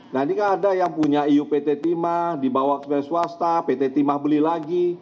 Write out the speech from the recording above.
nah ini kan ada yang punya iupt timah dibawa ke swasta pt timah beli lagi